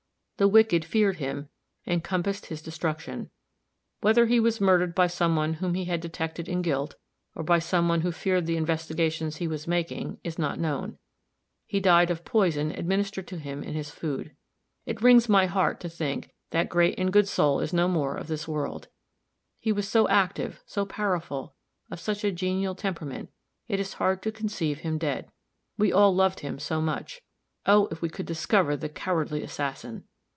The wicked feared him, and compassed his destruction. Whether he was murdered by some one whom he had detected in guilt, or by some one who feared the investigations he was making, is not known; he died of poison administered to him in his food. It wrings my heart to think that great and good soul is no more of this world. He was so active, so powerful, of such a genial temperament, it is hard to conceive him dead. We all loved him so much! Oh, if we could discover the cowardly assassin!